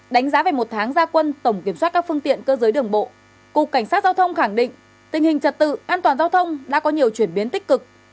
đánh giá về một tháng gia quân tổng kiểm soát các phương tiện cơ giới đường bộ cục cảnh sát giao thông khẳng định tình hình trật tự an toàn giao thông đã có nhiều chuyển biến tích cực